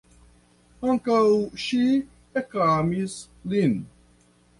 Ankaŭ ŝi ekamis lin.